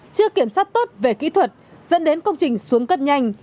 chưa kiểm soát tốt về kỹ thuật dẫn đến công trình xuống cấp nhanh